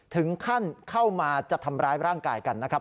ถึงขั้นเข้ามาจะทำร้ายร่างกายกันนะครับ